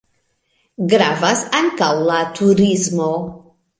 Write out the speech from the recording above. Gravas ankaŭ la turismo.